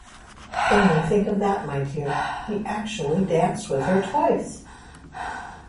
Only think of that, my dear; he actually danced with her twice!